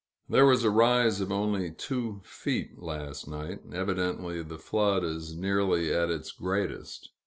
There was a rise of only two feet, last night; evidently the flood is nearly at its greatest.